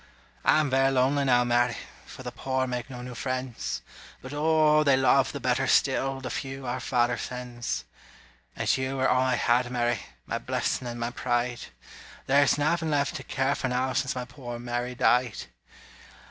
I'm very lonely now, Mary. For the poor make no new friends: But, oh, they love the better still The few our Father sends! And you were all I had, Mary My blessin' and my pride! There's nothing left to care for now, Since my poor Mary died.